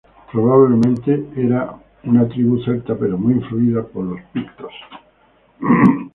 Probablemente eran una tribu celta pero muy influida por los Pictos.